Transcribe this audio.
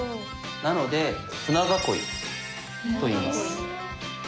なので「舟囲い」といいます。